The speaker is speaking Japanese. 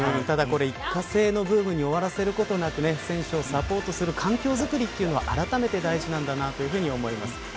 ただ、これ一過性のブームで終わらせることなく選手をサポートする環境づくりというのがあらためて大事なんだと思います。